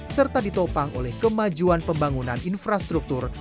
serta ditopang oleh kemajuan pembangunan infrastruktur